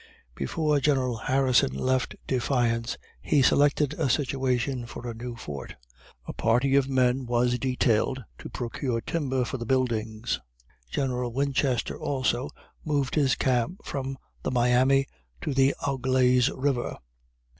Before General Harrison left Defiance, he selected a situation for a new fort. A party of men was detailed to procure timber for the buildings. General Winchester, also, moved his camp from the Miami to the Auglaize river.